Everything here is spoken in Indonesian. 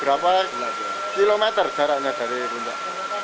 berapa kilometer jaraknya dari puncak